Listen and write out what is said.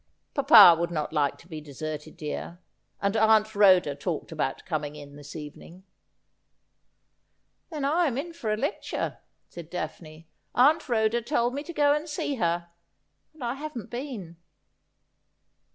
' Papa would not like to be deserted, dear. And Aunt Rhoda talked about coming in this evening.' 60 Asphodel. ' Then I am in for a lecture,' said Daphne. ' Aunt Khoda told me to go and see her, and I haven't been.'